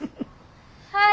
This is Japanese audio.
はい。